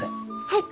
はい。